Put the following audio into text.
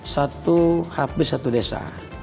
satu habis satu desa